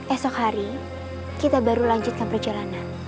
esok hari kita baru lanjutkan perjalanan